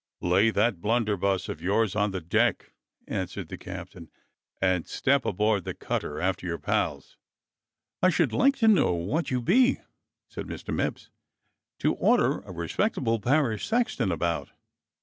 " "Lay that blunderbuss of yours on the deck," an swered the captain, "and step aboard the cutter after your pals." "I should like to know what you be," said Mr. Mipps, "to order a respectable parish sexton about."